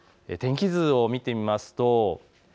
天気図を見てみますと。